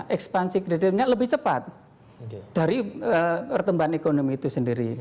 ekspansi kreditnya lebih cepat dari pertumbuhan ekonomi itu sendiri